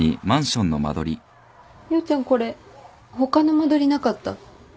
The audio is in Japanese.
陽ちゃんこれ他の間取りなかった？